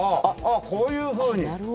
あっこういうふうに。